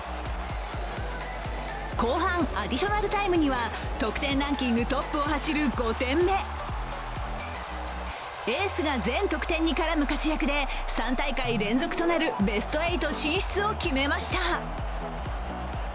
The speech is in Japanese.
後半アディショナルタイムには得点ランキングトップを走る５点目エースが全得点に絡む活躍で３大会連続となるベスト８進出を決めました。